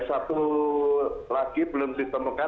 jadi yang belum ditemukan